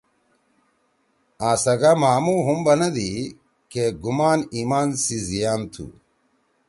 آں سگہ مھامُو ہُم بنَی کہ گمان ایمان سی زیان تُھو۔